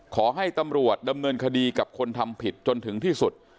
ขอให้ตำรวจดำเนินคดีกับคนทำผิดจนถึงที่สุด